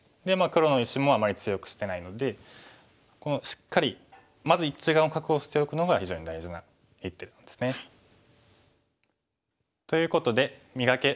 黒の石もあんまり強くしてないのでしっかりまず１眼を確保しておくのが非常に大事な一手なんですね。ということで「磨け！